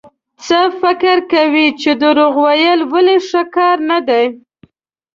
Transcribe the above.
څه فکر کوئ چې دروغ ويل ولې ښه کار نه دی؟